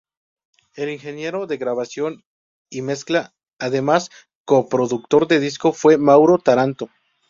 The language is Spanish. El ingeniero de grabación y mezcla, además co-productor del disco, fue Mauro Taranto.